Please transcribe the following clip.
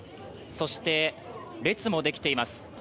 そして列もできています。